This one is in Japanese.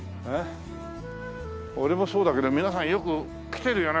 俺もそうだけど皆さんよく来てるよね